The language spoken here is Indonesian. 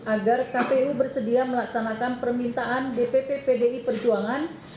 agar kpu bersedia melaksanakan permintaan dpp pdi perjuangan